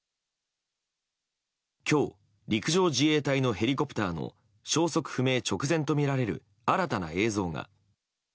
今日陸上自衛隊のヘリコプターの消息不明直前とみられる新たな映像が。